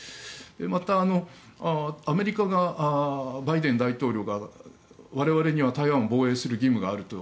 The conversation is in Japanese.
また、アメリカがバイデン大統領が我々には台湾を防衛する義務があると。